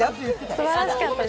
すばらしかったです。